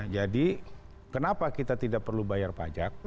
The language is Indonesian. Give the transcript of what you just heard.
jadi kenapa kita tidak perlu bayar pajak